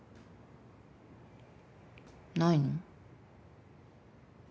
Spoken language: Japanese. ないの？